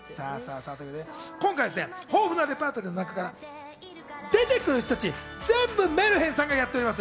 今回は豊富なレパートリーの中から出てくる人たち全部メルヘンさんがやっております。